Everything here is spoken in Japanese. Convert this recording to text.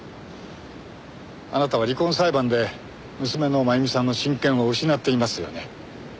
あなたは離婚裁判で娘の真由美さんの親権を失っていますよね。